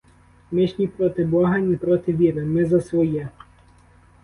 Ми ж ні проти бога, ні проти віри, ми за своє.